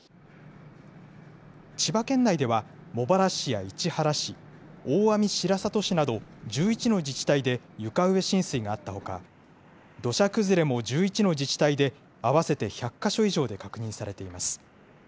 千葉県内では、茂原市や市原市、大網白里市など、１１の自治体で床上浸水があったほか、土砂崩れも１１の自治体で、合わせて１００か所以上で確認されています。